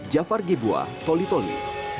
jafar gebuah tolitoli